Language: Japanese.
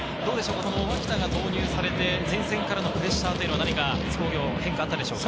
この脇田が投入されて、前線からのプレッシャーは何か津工業、変化はあったでしょうか？